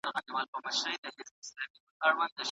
په نصیب چي و انسان ته نېکمرغي سي